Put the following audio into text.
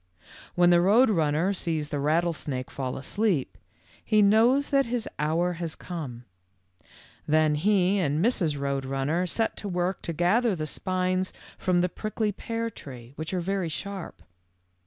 K When the Road Runner sees the rattlesnake fall asleep, he knows that his hour has come. Then he and Mrs. Road Runner set to work to gather the spines from the prickly pear tree, which are very sharp.